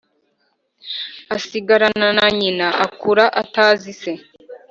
asigarana na nyina, akura atazi se.